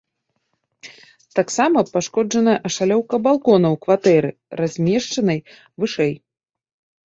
Таксама пашкоджаная ашалёўка балкона ў кватэры, размешчанай вышэй.